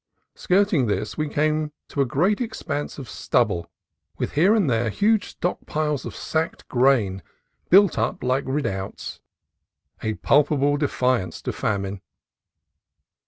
Skirting this we came to a great expanse of stubble, with here and there huge piles of sacked grain built up like redoubts, a palpable defiance to famine.